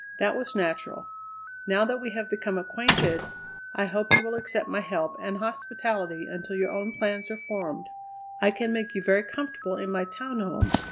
That was natural. Now that we have become acquainted I hope you will accept my help and hospitality until your own plans are formed. I can make you very comfortable in my town home.